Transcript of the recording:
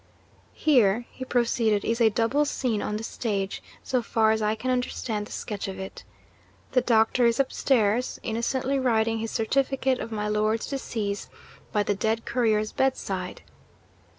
'Here,' he proceeded, 'is a double scene on the stage so far as I can understand the sketch of it. The Doctor is upstairs, innocently writing his certificate of my Lord's decease, by the dead Courier's bedside.